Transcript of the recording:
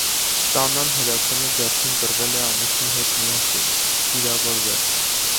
Ստանան հրացանը ձեռքին կռվել է ամուսնու հետ միասին, վիրավորվել։